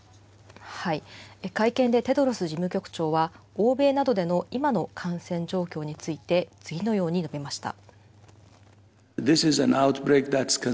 会見でテドロス事務局長は、欧米などでの今の感染状況について次のように述べました。